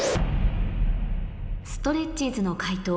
ストレッチーズの解答